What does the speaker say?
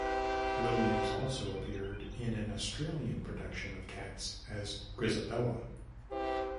Williams also appeared in an Australian production of "Cats" as Grizzabella.